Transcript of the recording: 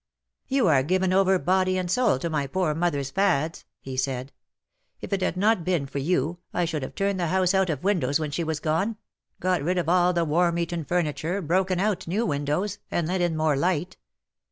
'^ You are given over body and soul to my poor mother's fads/' he said. *^ If it had not been for you I should have turned the house out of windows when she was gone — got rid of all the worm eaten furniture, broken out new windows, and let in more light.